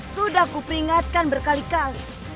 sudah kuperingatkan berkali kali